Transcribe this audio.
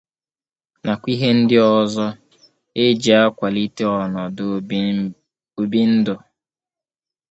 nakwa ihe ndị ọzọ e ji akwàlite ọnọdụ obibindụ.